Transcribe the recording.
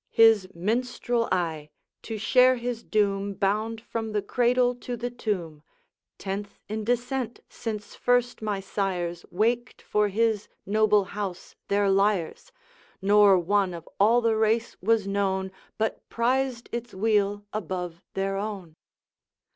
His minstrel I, to share his doom Bound from the cradle to the tomb. Tenth in descent, since first my sires Waked for his noble house their Iyres, Nor one of all the race was known But prized its weal above their own.